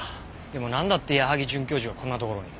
でもなんだって矢萩准教授がこんなところに？